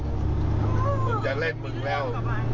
มึงจะเล่นมึงแล้ว